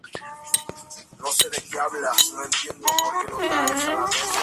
Es un ensayo sobre la locura del miedo a la muerte.